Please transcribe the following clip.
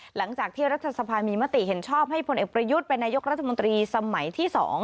หลังจากที่รัฐสภามีมติเห็นชอบให้พลเอกประยุทธ์เป็นนายกรัฐมนตรีสมัยที่๒